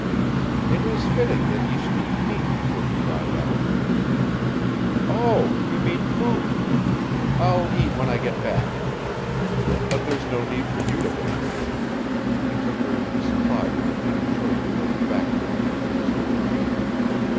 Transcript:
"It is fitting that ye should eat meat afore ye ride out." "Oh, you mean food. I'll eat when I get back. But there's no need for you to wait." He took her into the supply room and showed her where the vacuum tins were stored.